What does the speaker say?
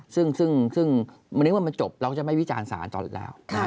ซึ่งมันนึกว่ามันจบเราก็จะไม่วิจารณ์ศาลตอนแรกแล้ว